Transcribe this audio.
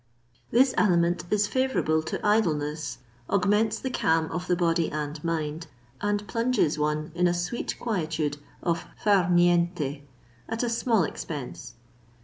This aliment is favourable to idleness, augments the calm of the body and mind, and plunges one in a sweet quietude of far niente at a small expense.